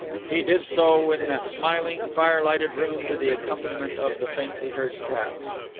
He did so in that smiling, fire lighted room, to the accompaniment of the faintly heard tap.